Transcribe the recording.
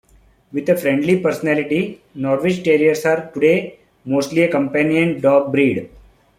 With a friendly personality, Norwich Terriers are today mostly a companion dog breed.